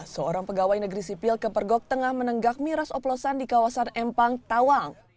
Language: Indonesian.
seorang pegawai negeri sipil kepergok tengah menenggak miras oplosan di kawasan empang tawang